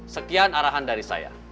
sekian arahan dari saya